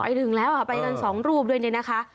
ไปถึงแล้วค่ะไปกันสองรูปด้วยเนี่ยนะคะ